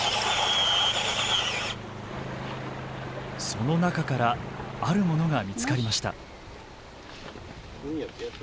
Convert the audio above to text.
その中からあるものが見つかりました。